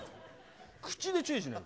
口で注意しなきゃ。